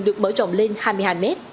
được mở rộng lên hai mươi hai mét